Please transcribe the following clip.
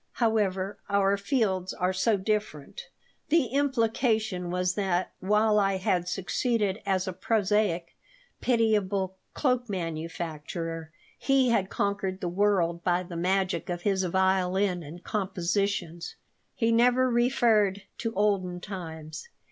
However, our fields are so different." The implication was that, while I had succeeded as a prosaic, pitiable cloak manufacturer, he had conquered the world by the magic of his violin and compositions. He never referred to olden times.